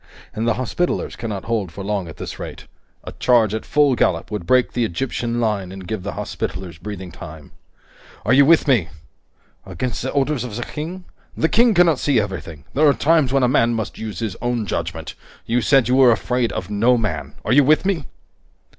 And the Hospitallers cannot hold for long at this rate. A charge at full gallop would break the Egyptian line and give the Hospitallers breathing time. Are you with me?" "Against the orders of the King?" "The King cannot see everything! There are times when a man must use his own judgment! You said you were afraid of no man. Are you with me?"